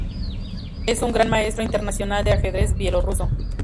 Es un Gran Maestro Internacional de ajedrez bielorruso.